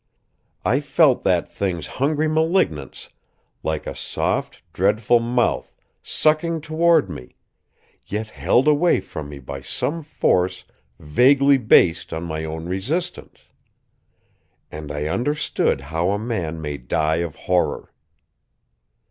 I felt that Thing's hungry malignance like a soft, dreadful mouth sucking toward me, yet held away from me by some force vaguely based on my own resistance. And I understood how a man may die of horror.